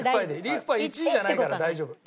リーフパイ１位じゃないから大丈夫。